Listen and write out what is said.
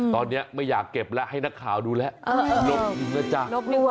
ตอนนี้ไม่อยากเก็บแล้วให้นักข่าวดูแล้วลบยิงแล้วจ้ะ